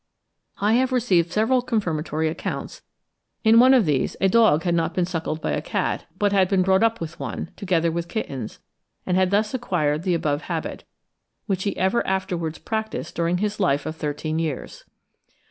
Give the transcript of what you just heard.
I have received several confirmatory accounts; in one of these, a dog had not been suckled by a cat, but had been brought up with one, together with kittens, and had thus acquired the above habit, which he ever afterwards practised during his life of thirteen years.